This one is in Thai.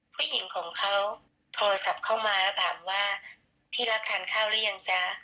ผู้หญิงของเขาโทรศัพท์เข้ามาแล้วถามว่าพี่รักทานข้าวหรือยังจ๊ะ